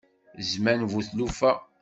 Zzman bu tlufa.